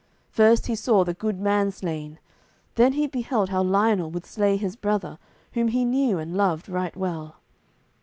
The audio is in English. First he saw the good man slain, then he beheld how Lionel would slay his brother, whom he knew and loved right well.